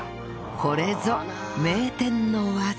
これぞ名店の技